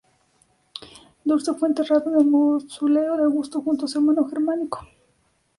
Druso fue enterrado en el mausoleo de Augusto junto a su hermano Germánico.